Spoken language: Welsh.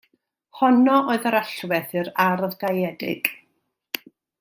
Honno oedd yr allwedd i'r ardd gaeedig.